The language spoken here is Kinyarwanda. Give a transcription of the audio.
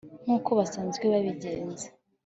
nk'uko basanzwe babigenza